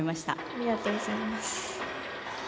ありがとうございます。